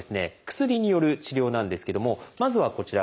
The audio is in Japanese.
薬による治療なんですけどもまずはこちら。